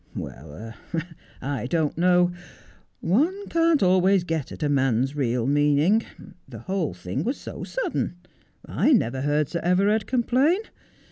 ' Well, I don't know. One can't always get at a man's real meaning. The whole thing was so sudden. I never heard Sir Everard complain.